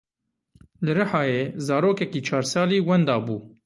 Li Rihayê zarokekî çar salî wenda bû.